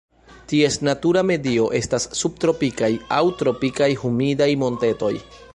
Ties natura medio estas subtropikaj aŭ tropikaj humidaj montetoj.